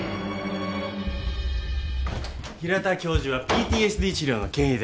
平田教授はＰＴＳＤ治療の権威だよ。